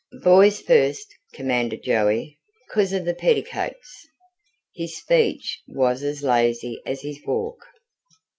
"Boys first!" commanded Joey. "Cos o' the petticuts." His speech was as lazy as his walk.